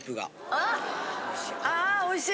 ああおいしい。